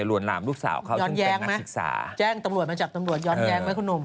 รวนลามลูกสาวเขาย้อนแย้งไหมจับตำรวจย้อนแย้งไหมคุณหนุ่ม